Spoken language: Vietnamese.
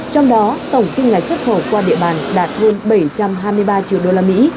trong đó tổng kinh ngạch xuất khẩu qua địa bàn đạt hơn bảy trăm hai mươi ba triệu đô la mỹ